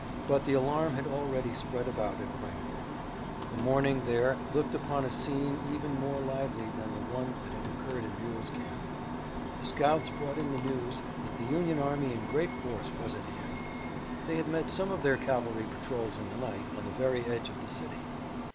But the alarm had already spread about at Frankfort. The morning there looked upon a scene even more lively than the one that had occurred in Buell's camp. The scouts brought in the news that the Union army in great force was at hand. They had met some of their cavalry patrols in the night, on the very edge of the city.